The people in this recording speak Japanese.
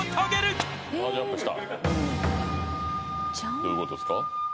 「どういうことですか？」